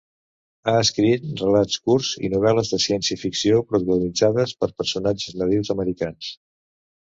Ha escrit relats curts i novel·les de ciència-ficció protagonitzades per personatges nadius americans.